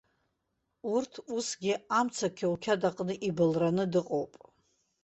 Урҭ усгьы амца қьоуқьад аҟны ибылраны дыҟоуп.